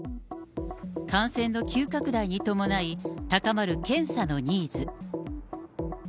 感染の急拡大に伴い、高まる検査のニーズ。